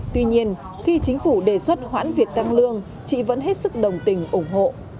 tuy nhiên khi chính phủ đề xuất hoãn việc tăng lương chị vẫn hết sức đồng tình ủng hộ